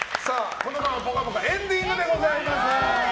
このまま「ぽかぽか」エンディングでございます。